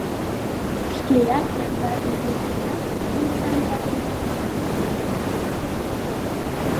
Шкеат, яндар лийнет гынат, нине тамга денак амырген пытет.